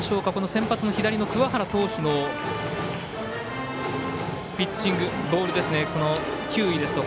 先発の桑原投手のピッチング、ボールですね。